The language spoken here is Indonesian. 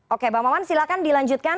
oke bang maman silahkan dilanjutkan